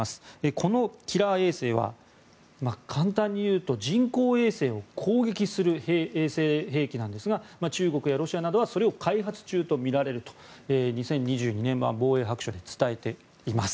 このキラー衛星は簡単に言うと人工衛星を攻撃する兵器なんですが中国やロシアなどはそれを開発中とみられると２０２２年版防衛白書で伝えています。